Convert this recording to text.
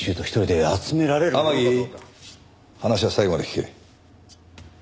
天樹話は最後まで聞け。